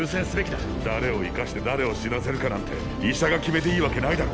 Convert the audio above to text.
誰を生かして誰を死なせるかなんて医者が決めていいわけないだろ。